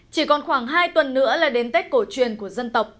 chỉ còn khoảng hai tuần nữa là đến tết cổ truyền của dân tộc